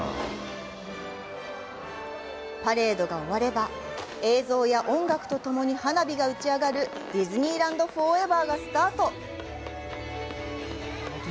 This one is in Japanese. パレードが終われば、映像や音楽とともに花火が打ち上がるディズニーランド・フォーエバーがスタート！